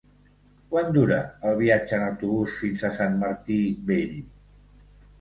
Quant dura el viatge en autobús fins a Sant Martí Vell?